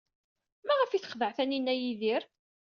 Maɣef ay texdeɛ Taninna Yidir?